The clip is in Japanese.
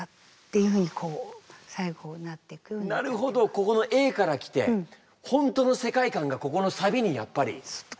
ここのＡから来て本当の世界観がここのサビにやっぱり。